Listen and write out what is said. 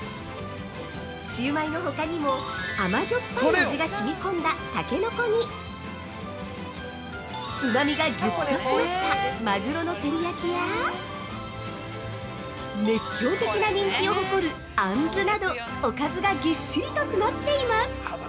シウマイのほかにも、甘じょっぱい味がしみ込んだたけのこ煮、うまみがギュッと詰まったマグロの照り焼や、熱狂的な人気を誇るアンズなど、おかずがぎっしりと詰まっています！！